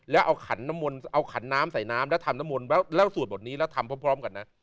แล้วเอาขันน้ำมนต์เอาขันน้ำใส่น้ำแล้วทำน้ำมนต์แล้วสวดบทนี้แล้วทำพร้อมกันนะ